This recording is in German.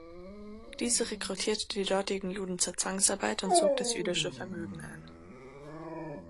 Diese rekrutierte die dortigen Juden zur Zwangsarbeit und zog das jüdische Vermögen ein.